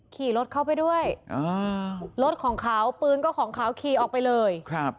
ขี่รถเข้าไปด้วยรถของเขาปืนก็ของเขาขี่ออกไปเลยครับ